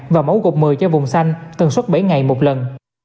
và mẫu gột một mươi cho vùng xanh tần suốt bảy ngày một lần